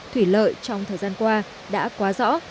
thủy lợi trong thời gian qua đã quá rõ